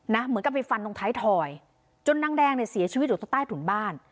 เหมือนกับไปฟันตรงท้ายถอยจนนางแดงเนี่ยเสียชีวิตอยู่ตรงใต้ถุนบ้าน